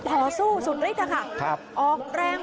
ต่อสู้สุดฤทธินะคะออกแรง